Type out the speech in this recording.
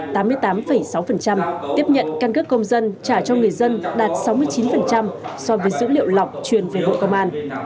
tiếp nhận căn cước công dân trả cho người dân đạt sáu mươi chín so với dữ liệu lọc truyền về bộ công an